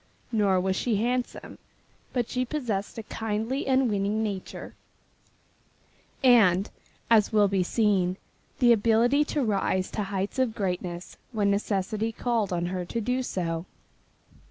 Nor was she handsome. But she possessed a kindly and winning nature, and, as will be seen, the ability to rise to heights of greatness when necessity called on her to do so.